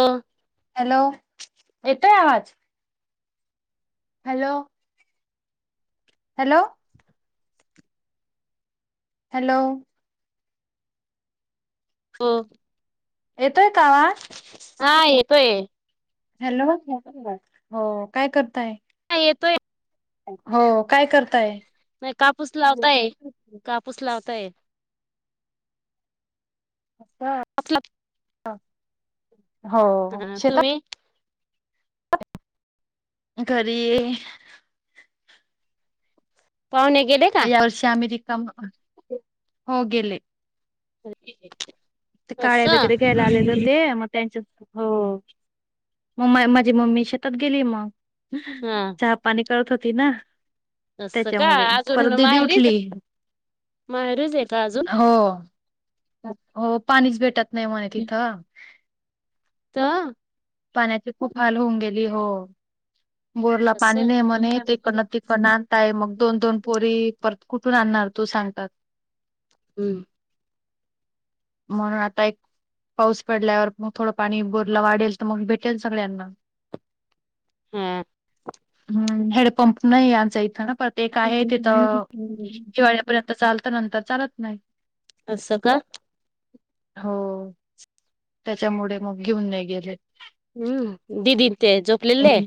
हो हॅलो येतोय आवाज हॅलो हॅलो हॅलो हम येतोय का वा येतोय हॅलो हो काय करताय तेेतोय. हो काय करताय कापूस लावताय कापूस लावताय अचछा मसलब हो शेतात तुम्ही करए पाहुणे गेले का यावर् श अमेरिक हो गेले काही आवाज ऐकू येत नाही काळे वगैरे घ्यायला आलेले होते मग त्यांच्य हो मग माझी मम्मी शेतात गेली मग हा चहा पाणी कत होती ना असं का त्याच्यामुळे परद दि उठली. माहेरूच येत अजून हो हो पाणीच भेटत नाही म्हणे तिथं तर- पाण्याची खूप हाल होऊन गेली हो बोरला पाणी असं नाही म्हणे त इकडंन तिकडंन आणताय. मग दोन दोन पोरी परत- कुठून आणणार तू? सांगतात. हम्म. म्हणून आता एक- पाऊस पडल्यावर मग थोडं पाणी बोरला वाढेल, तर मग भेटेल सगळ्यांना - हा हम्म हेडपंप नाही आमच्या इथं ना - पण ते एक आहे तिथ हिवाळ्यापर्यंत चालत नंतर चालत नाही. असं का? हो. त्याच्यामुळे मग घेऊन नाही गेले. हम्म. दिदी न ते झोपलेले आहे.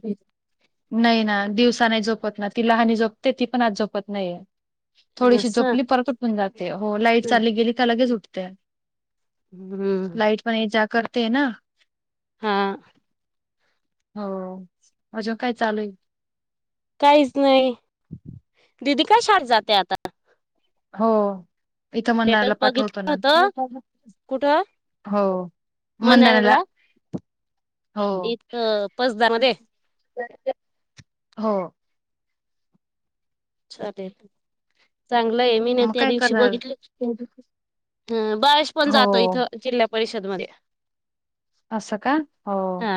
नाही ना दिवसा नाही झोपत ना. ती लहानी झोपते ती पण आज झोपत नाहीय. थोडीशी असं झोपली परत उठून जाते. हो, लाईट चालली गेली का लगेच उठते - हम्म लाइट पण ये जा करतेये ना? हा. हो. अजून काय चालू आहे? काहीच नाही. दीदी कशाट जाते आता? हो. इथं स्टेटस म्हणला पाठवतो बघितलं ना? होत हो. मंदानाला म्हणायला? हो. [unintelligible] हो. चालेल. चांगलंय मी न मग त्या काय दिवशी करणार बघितले. ह. बाळेश पण हो जातो इथं जिल्हा परिषद मध्ये! अस का? हो. हा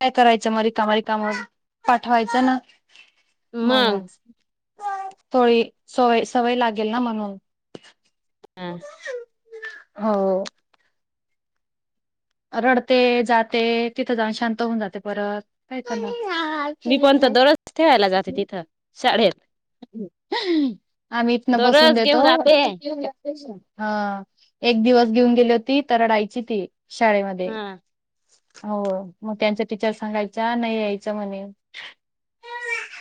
काय करायचं मग रिकाम - रिकाम पाठवायचं ना? मग म्हणूनच. तळी - सवय- सवय लागेल ना म्हणून. अं. हो. रडते जाते. तिथं जाऊन शांत होऊन जाते परत. काय करणार? मी पण त बळच ठेवायला जाते तिथं शाळेत - आम्ही इथन बसवून दररोज घेऊन देतो- जाते तेच ना. शाळेमध्ये. हा हो मग त्यांच - टीचर सांगायच्या नाही यायच म्हणे.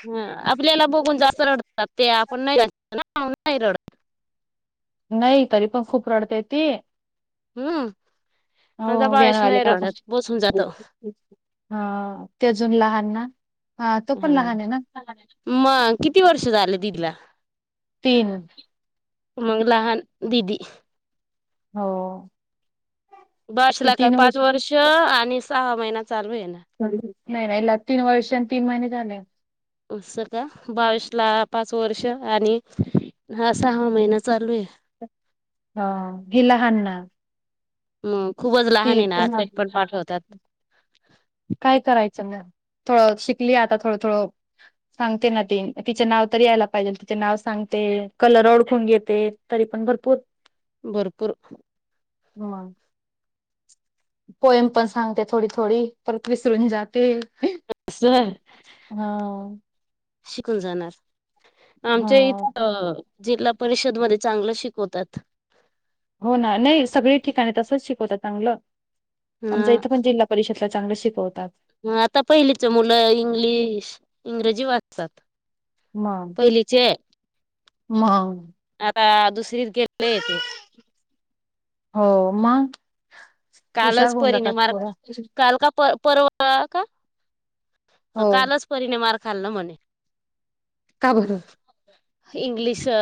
ह आपल्याला बघून जास्त रडतात ते आपण नाही नाही रडत! नाही, तरी पण खूप रडते ती. हम्म. हो माझा बाळशी व्यानवाले नाही रडत बसून जातो. ह. ते अजून लहान ना? तो पण हा. लहान आहे ना मग किती वर्ष झालं दिदीला? तीन. मग लहान दीदी - हो. ते [unintelligible] काय तीन पाच वर्ष आणि सहा महिना चालू आहे ना - नाही -नाही तीन वर्ष आणि तीन महिने झाले. अस -का? बावीस ला पाच वर्ष आणि - हा सहावा महिना चालू आहे. हा. हि लहानए ना - हम खूपच लहान आहे ना. तरी पण पाठवतात. काय करायचं ना - थोडं शिकली आता थोडं -थोडं सांगते ना ती. तिचे नाव तरी यायला पाहिजे तिचे नाव सांग - ते कलर ओळखून घेते तरी पण भरपूर - भरपूर म पोएम पण सांगते थोडी -थोडी परत विसरून जाते. असं अ हा शिकून जाणार आमच्या इथ हा अ जिल्हा परिषदमध्ये चांगलं शिकवतात हो ना नाही सगळी ठिकाणी तसच शिकवत चांगलं आमच इथं पण जिल्हा परिषदला चांगले शिकवतात ह आता पहिलीच मुलं इंग्लिश इंग्रजी वाचतात पहिलीचे म आता दुसरीत गेले य ते हो मग हुशार कालच होऊन परी जातात नाही मार पोरं काल का प परवा का हो कालच परीने मार खाल्ला म्हणे का बर इंग्लिश अ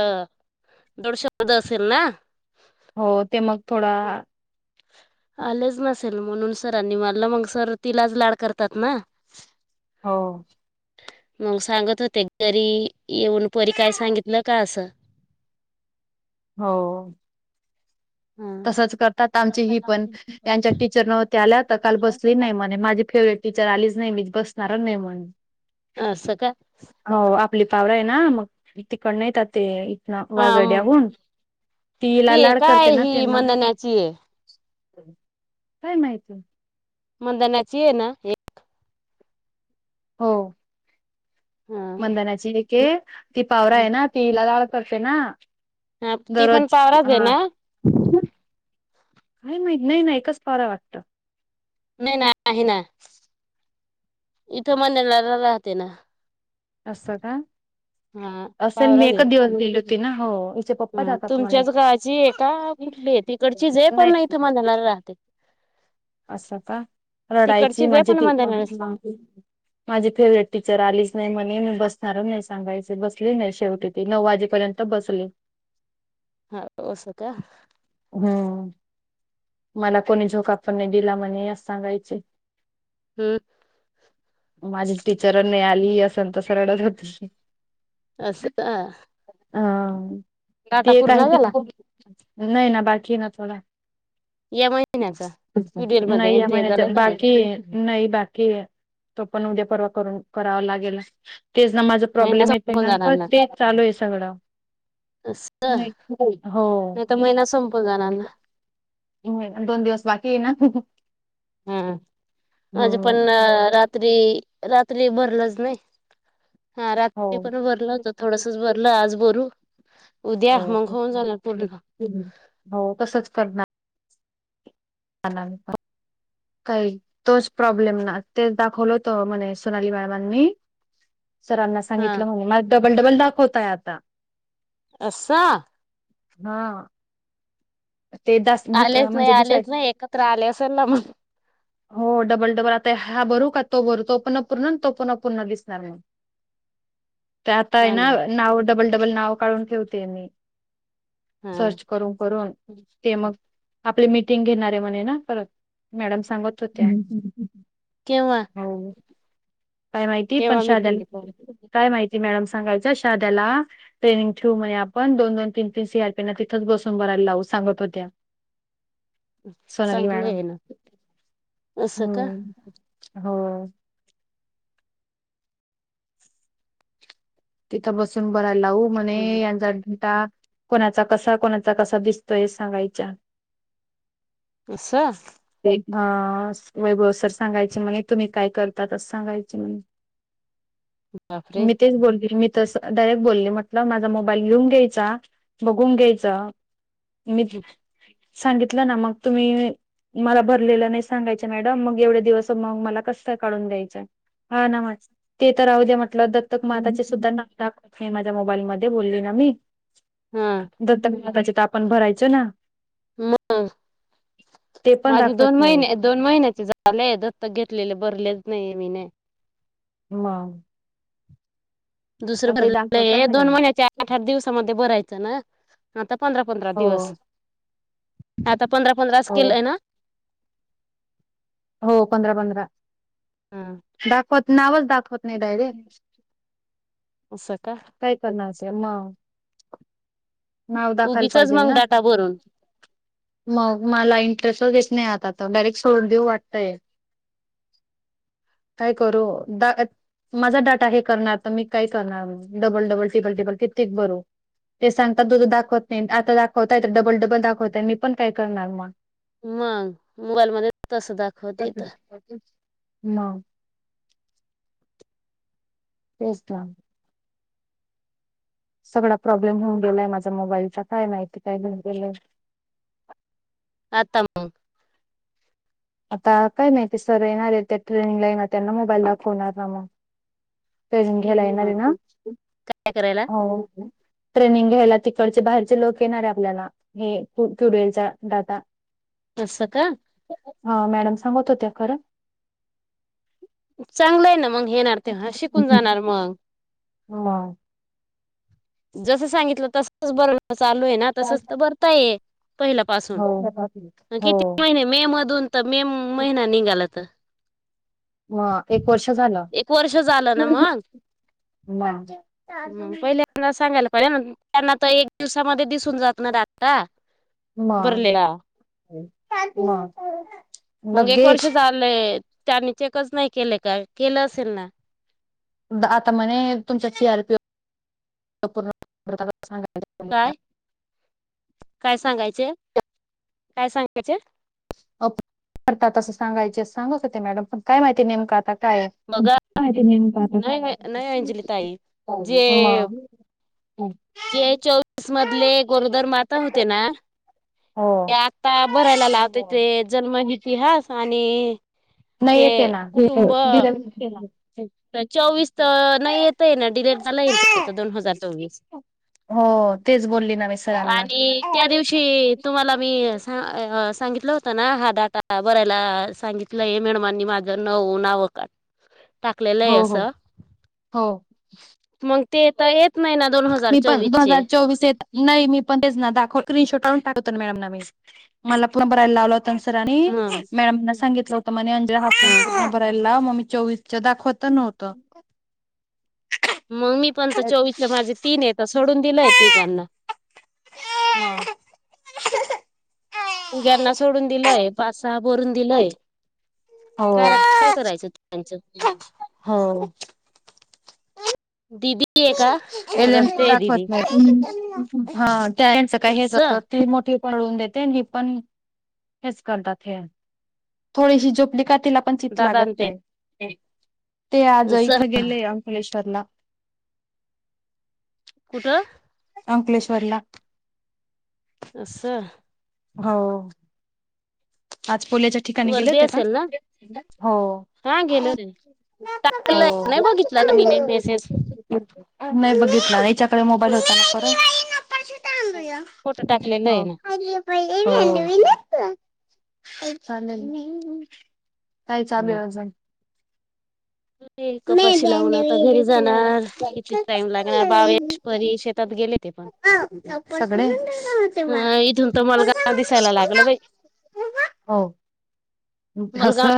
जोड शब्द असेल ना हो ते मग थोडा आलेच नसेल म्हणून सरांनी मारलं मग सर तिलाच लाड करतात ना हो मग सांगत होते घरी येऊन परी काय सांगितलं का असं हो ह. तसच करतात आमची ही पण त्यांच्या टीचर नव्हती आल्या तर काल बसली नाही म्हणे माझी फेव्हरेट टीचर आलीच नाही मी बसणार नाही म्ह अस स का आपली पावरा आहे ना मग तिकड नाहीतात ते हा. वागड्याहून तीला लाड करते ना त्यांना मंदाण्याची आहे काय माहित मदांण्याची ये ना एक हो मंदाण्याची एक ती पावरा आहे ना तिला लाड करते ना हा ती पण दररोज पावराच आहे हा ना का नाही नाही नाही एकच फार वाटत नाही नाही आहे ना इथं मनणार राहते ना असं का हा असेल मी एकच दिवस दिली होती ना हो हिचे पप्पा ह जातात मला तुमच्याच गावाची आहे का कुठली आहे तिकडची जे पण नाही इथं मंधणार राहते असं का रडायची तिकडचीच आहे माझी पण पी मंदनाला माझी फेवरेट टीचर आलीच नाही म्हणे मी बस असणार नाही सांगायच बसले नाही शेवटी ते नऊ वाजेपर्यंत बसले हा स का हम्म मला कोणी झोका पण नाही दिला म्हणे या सांगायचे हम्म माझी टीचरनी आली असंत सरडत होती असं का अ ते काही नाही ना बाकी ना थोडा यामुळे नाही या महिन्याच्या का नाही बाकी नाही बाकी तो पण उद्या पररवात कराव लागेल तेच ना माझ महिना प्रॉब्लेम येत संपून नर चालू आहे सगळं अस नाही हो तर महिना संपून जाणारना हम् दोन दिवस बाकी ये ना हम्म माझे पण हं. रात्री रात्री भरलाच नाही हा हो. रात्री पण भरला होत थोडसच भर म्हटल आज भरू उद्या मंग हो. होऊन झानार पूर्ण हो, आला नाही का काही तोच प्रॉब्लेम ना तेच दाखवलं होत म्हणे सोनाली मॅडमांनी सरांना हा सांगितलं म्हणेून मला डबल, डबल दाखवताय आता अससाा? हा ते द आलेच नाही म्हणजे दिसाय आलेच नाही एकत्र आले असेल ना मग हो डबल डबल आता हा भरू का तो भरू तो पण अपूर्ण तो पण अपूर्ण दिसणार आहे ते आता आहे ना, नाव डबल, डबल नाव काढून ठेवतेय मी सर्च करून करून ते ह मग [unintelligible] आपली मीटिंग घेणारे म्हणे ना परत मॅडम सांगत होत्या केव्हा हो काय माहिती पण केव्हा शा मीटिंग डाल माहिती मॅडम? सांगायचं शारदाला ट्रेनिंग ठेऊ मने आपण दोन, दोन तीन, तीन सीयारपीना तीथच बसून भरयला लाऊ सांगत होत्या सोनाली चांगलं मॅडम आहे ना अस का? होय तिथं बसून बरायला लावू म्हणे हम्म यांचा डा कोणाचा कसा, कोणाचा कसा, दिसतोय हे सांगायच्या असं हा वैभव सर सांगायचे म्हणे तुम्ही काय करता अस सांगायची म्हणे बापरे! मी तेच बोलली मी त असं डायरेक्ट बोलले, म्हटलं माझा मोबाईल घेऊन घ्यायचा बघून घ्यायच मी सांगितलं ना मग तुम्ही मला भरलेलं नाही सांगायच मॅडम मग एवढे दिवस मग मला कसं काढून द्यायचं? हा ना म ते तर राहू द्या मट लं दत्तक माताचे सुद्धा नाव दाखवत नाही माझ्या मोबाईल मध्ये बोलली ना मी हा दत्तक नााताचे तर आपण भरायचो ना म ते पण माझे दोन दाखवत नाही महिने दोन महिन्याचे झालेय दत्तक घेतलेले बरले नाही मी नाही मग दुसरं तर ते दाखवत भरलय नाही दोन महिन्याच्या आठ, आठ दिवसामध्ये भरायचं ना आता पंधरा, पंधरा हो दिवस आता पंधरा पंधराच हो केलं आहे ना? हो पंधरा, पंधरा हा दाखवत, नावच दाखवत नाही डायरेक्ट उसा का काय करणार ते म नाव दाखायला उगीचच पाहिजेल मग ना डाटा भरून मग मला सरस नाही आता डायरेक्ट सोडून देऊ वाटतयं काय करू? द माझा डाटा हे करणार तर मी काय करणार डबल, डबल ट्रिबल, ट्रिबल कित्येक करू ते सांगतात तुजं दाखवत नाही आता दाखवताय तर डबल, डबल दाखवताय मी पण काय करणार मग? मग मोबाईल मधे तसच दाखवत इथ मग तेच ना सगळा प्रॉब्लेम होेऊन गेलाय माझ्या मोबाईलचा,,, काय माहिती काय घेऊन गेलंय? [unintelligible] अत मऽऽ आता, काय माहिती सर येणार आ,, हे त्या ट्रेनिंगला येणार, त्यांना मोबाईल दाखवणार ना मगऽ न घ्यायला येणार ना काय करायला हो ट्रेनिंग घ्यायला तिकडचे बाहेरचे लोक येणारे आपल्याला हे क्युडलचा टा अस का हा मॅडम सांगत होत्या खरं चांगलं आहे ना मग येणार तेव्हा शिकून जाणार मग मग जसं सांगितलं तसच बरवण चालू आहे ना तसच तर बरताय पहिल्या पाासून हो हो किती महिने मे मधून तर मे महिना निघाला तर मग एक वर्ष झालं एक वर्ष झालं ना मग मग हम पहिल्यांदा सांगायला प त्यांना तर एक दिवसामध्ये दिस त्यांना तर दिसून जातो ना डाटा भरलेला ह मग एक वर्ष झालंय त्यांनी चेकच नाही केले का केलं असेल ना आता म्हणे तुमचा सी आर पीओ पूर्ण काहि ऐकु येत नाही काय काय सांगायचे काय सांगायचे करतात असं सांगायचे अस सांगत ते मॅडम पण काय माहिती नेमका आता काय आहे. बघा माहिती नाही अंजली ताई जे मग जे चोवीस मधले गोरोदर माता होते ना ते हो आता बरायला लावते ते जन्म इतिहास आणि नाही हे येते ना कुटुंब चोवीस तर नाही येतय ना डिलेट झाला येत य दोन हजार चोवीस हो तेच बोलली ना मी सरांना आणि त्या दिवशी तुम्हाला मी ह सांगितलं होत ना हा डाटा बरायला सांगितलंय मॅडमांनी माझं नऊ नावं काढ टाकलेलं आहे हो हो असं हो मग ते तर येत नाही ना दोन हजार मी पण चोवीस दोन चे हजार चोवीस येत नाही मी पण तेच ना दाखवन शो टून टा मला पुण बघायला लावले होते ना ह मग मॅडम ना सागितले होते मंे ह हा बर मममी चोवीस दाखवत नव्हत मग मी पण तर चोवीसच्या माझे तीन आहे तर सोडून दिलंय तिघांना ह मुघ्यांना सोडून दिलंय पाच सहा भरून दिलंय हो काय काय करायचं त्यांचं दिदी आहे का एलम रडतेय दावत दिदी नाही हच काही हे अस त मोठी पळून देते पण हेच करतात हे थोडीशी झोपली तिला पण चित दादा आणि लागत ते नाही ते आज अस इथं गेले अंकलेश्वरला कुठं अंकलेश्वरला अस हो आज पोल्याच्या ठिकाणी गेले वर्दी ते का असेल ना हो हा गेलो रे काही टाकलं नाही आवाज बघितला मी नाही ऐकू मेसेज येत नाही नाही बघितलं ना याच्याकडे मोबाईल होता ना परत ग फोटो टाकलेलं आहे ना अर वि चालेल काही चालु आहे अजून म कपाशी लावून आता दे घरी जाणार मच किती टाइम लागणार बावेश परी शेतात गेले ते पण सगळे इथून तर मलगाव दिसायला लागलं बाई [unintelligible] हो, मलगाव घसा